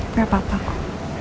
gak apa apa kok